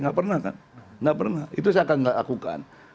gak pernah kan gak pernah itu saya akan lakukan